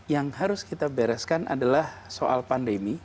yang harus kita bereskan adalah soal pandemi